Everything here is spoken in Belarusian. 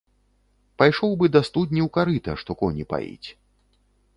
Пайшоў бы да студні ў карыта, што коні паіць.